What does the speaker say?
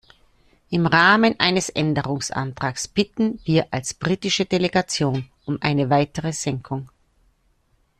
Im Rahmen eines Änderungsantrags bitten wir als britische Delegation um eine weitere Senkung.